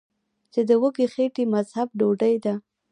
چې د وږې خېټې مذهب ډوډۍ ده ـ